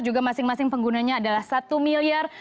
juga masing masing penggunanya adalah satu miliar